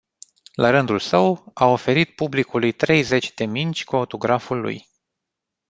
La rândul său, a oferit publicului treizeci de mingi cu autograful lui.